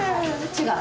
違う？